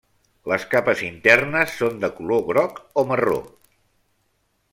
Les capes internes són de color groc o marró.